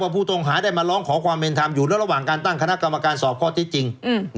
ผู้ต้องหาได้มาร้องขอความเป็นธรรมอยู่ระหว่างการตั้งคณะกรรมการสอบข้อเท็จจริง